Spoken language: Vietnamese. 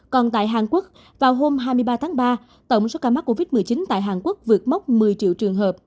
còn tại hàn quốc vào hôm hai mươi ba tháng ba tổng số ca mắc covid một mươi chín tại hàn quốc vượt mốc một mươi triệu trường hợp